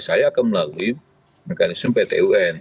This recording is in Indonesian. saya akan melalui mekanisme pt un